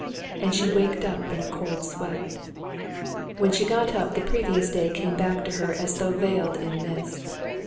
And she waked up in a cold sweat. When she got up, the previous day came back to her as though veiled in mist.